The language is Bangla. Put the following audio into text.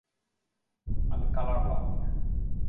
আমি কালার ব্লাউন্ড।